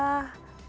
kita harus mencari